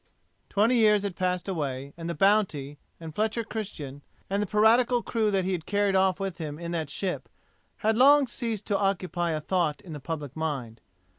Twenty years had passed away, and the Bounty, and Fletcher Christian, and the piratical crew that he had carried off with him in that ship, had long ceased to occupy a thought in the public mind.